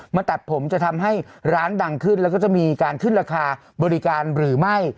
ตัดผมจะทำให้ร้านดังขึ้นแล้วก็จะมีการขึ้นราคาบริการหรือไม่